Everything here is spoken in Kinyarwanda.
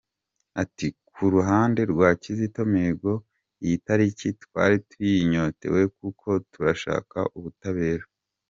Ati “Ku ruhande rwa Kizito Mihigo, iyi tariki twari tuyinyotewe kuko turashaka ubutabera.